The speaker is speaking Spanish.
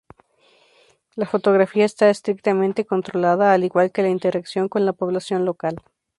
La fotografía está estrictamente controlada, al igual que la interacción con la población local.